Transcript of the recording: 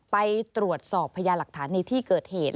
ไปตรวจสอบพญาหลักฐานในที่เกิดเหตุ